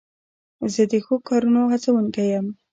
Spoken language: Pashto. زه د ښو کارونو هڅوونکی یم.